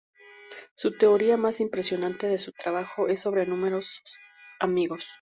Su teoría más impresionante de su trabajo es sobre números amigos.